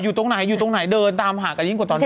ตรงไหนอยู่ตรงไหนเดินตามหากันยิ่งกว่าตอนนี้